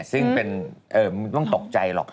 ซึ่งไม่ต้องตกใจหรอก